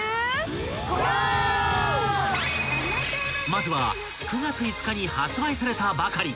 ［まずは９月５日に発売されたばかり］